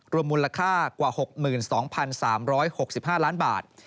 มูลค่ากว่า๖๒๓๖๕ล้านบาท